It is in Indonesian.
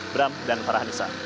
bram dan farhan nusa